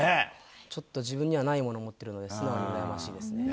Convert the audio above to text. ちょっと自分にはないものを持っているので、素直にうらやましいですね。